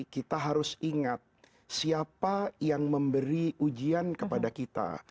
kita harus ingat siapa yang memberi ujian kepada kita